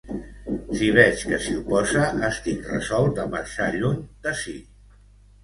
Si veig que s'hi oposa, estic resolt a marxar lluny d'ací.